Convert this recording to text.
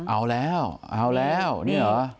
เอาแล้วเอาแล้วเนี่ยเหรอ